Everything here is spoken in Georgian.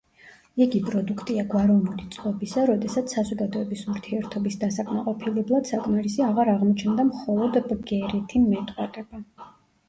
იგი პროდუქტია გვაროვნული წყობისა, როდესაც საზოგადოების ურთიერთობის დასაკმაყოფილებლად საკმარისი აღარ აღმოჩნდა მხოლოდ ბგერითი მეტყველება.